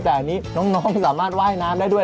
แต่อันนี้น้องสามารถว่ายน้ำได้ด้วย